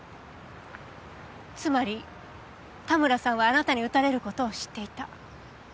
つまり田村さんはあなたに撃たれる事を知っていた。